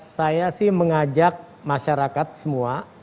saya sih mengajak masyarakat semua